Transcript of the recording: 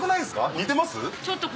似てます？